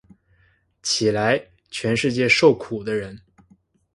起来，全世界受苦的人！